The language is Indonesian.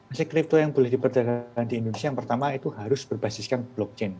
aset kripto yang boleh diperdagangkan di indonesia yang pertama itu harus berbasiskan blockchain